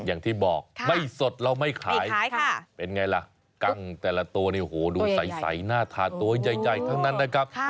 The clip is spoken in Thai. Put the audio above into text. อย่างที่บอกไม่สดเราไม่ขายเป็นไงล่ะกั้งแต่ละตัวเนี่ยโหดูใสหน้าทาตัวใหญ่ทั้งนั้นนะครับ